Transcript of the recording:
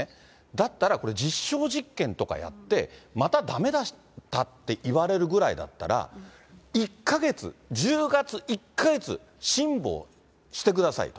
だったら、これ、実証実験とかやって、まただめだったって言われるぐらいだったら、１か月、１０月１か月、辛抱してくださいと。